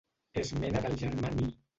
És mena del germani.